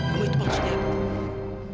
kamu itu pengen apa